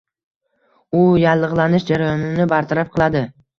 U yallig'lanish jarayonini bartaraf qiladi.